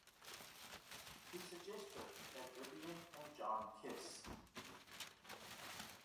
He suggested that Vivian and John kiss.